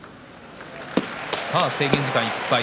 制限時間いっぱい。